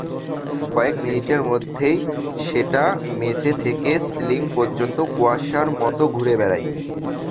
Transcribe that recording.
কয়েক মিনিটের মধ্যেই সেটা মেঝে থেকে সিলিং পর্যন্ত কুয়াশার মতো ঘুরে বেড়ায়।